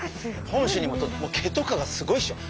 本州にももう毛とかがすごいっしょ。